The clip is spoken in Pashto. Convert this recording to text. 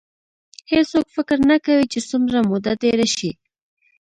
هېڅوک فکر نه کوي چې څومره موده تېره شي.